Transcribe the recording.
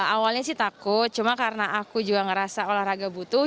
awalnya sih takut cuma karena aku juga ngerasa olahraga butuh